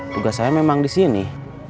tugas saya memang di sini